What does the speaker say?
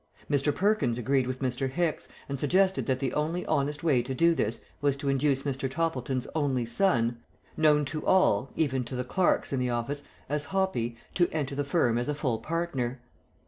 Mr. Perkins agreed with Mr. Hicks, and suggested that the only honest way to do this was to induce Mr. Toppleton's only son, known to all even to the clerks in the office as Hoppy, to enter the firm as a full partner.